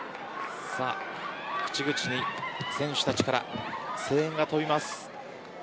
口々に選手たちから声援が飛びます。